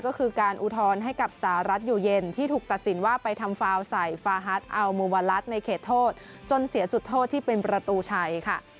ก็คือการอุทธรณ์ให้กับสหรัฐอยู่เย็นที่ถูกตัดสินว่าไปทำฟาวใส่ฟาฮัทอัลโมวาลัสในเขตโทษจนเสียจุดโทษที่เป็นประตูชัยค่ะ